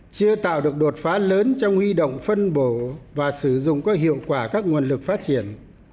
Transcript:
chưa tạo được đột phá lớn trong huy động phân bổ và sử dụng có hiệu quả các nguồn lực phát triển